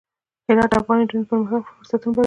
هرات د افغان نجونو د پرمختګ لپاره فرصتونه برابروي.